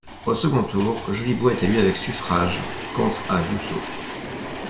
Au second tour, Jolibois est élu avec suffrages, contre à Goussot.